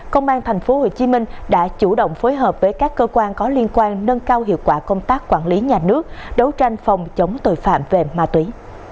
công an thành phố hồ chí minh đã chủ động phối hợp với các cơ quan có liên quan nâng cao hiệu quả công tác quản lý nhà nước đấu tranh phòng chống tội phạm về ma túy